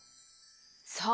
そう。